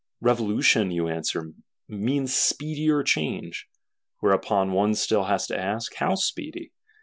Revolution, you answer, means speedier change. Whereupon one has still to ask: How speedy?